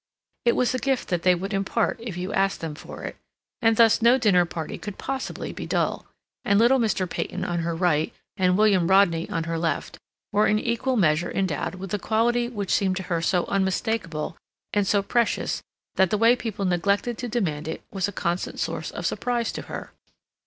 It was a gift that they would impart if you asked them for it, and thus no dinner party could possibly be dull, and little Mr. Peyton on her right and William Rodney on her left were in equal measure endowed with the quality which seemed to her so unmistakable and so precious that the way people neglected to demand it was a constant source of surprise to her.